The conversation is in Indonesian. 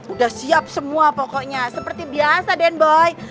udah siap semua pokoknya seperti biasa den boy